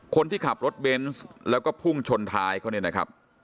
คนที่ขับรถเบนส์แล้วก็พุ่งชนท้ายเขาเนี่ยนะครับ